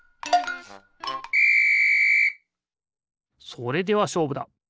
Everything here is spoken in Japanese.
それではしょうぶだ。